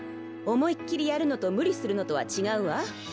思いっ切りやるのと無理するのとは違うわ。